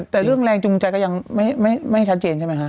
แต่เรื่องแรงจูงใจก็ยังไม่ชัดเจนใช่ไหมฮะ